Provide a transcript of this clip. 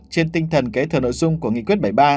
trên tinh thần kế thừa nội dung của nghị quyết bảy mươi ba